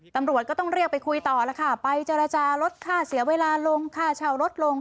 ตำรวจก็ต้องเรียกไปคุยต่อแล้วค่ะไปเจรจาลดค่าเสียเวลาลงค่าเช่าลดลง